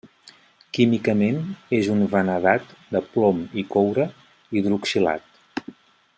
Químicament és un vanadat de plom i coure, hidroxilat.